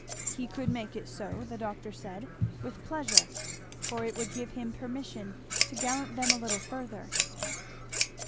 He could make it so, the doctor said, with pleasure, for it would give him permission to gallant them a little further.